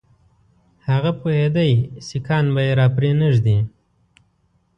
هغه پوهېدی سیکهان به یې را پرې نه ږدي.